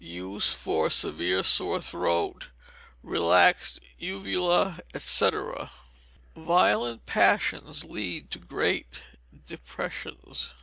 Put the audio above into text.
Use for severe sore throat, relaxed uvula, &c. [VIOLENT PASSIONS LEAD TO GREAT DEPRESSIONS.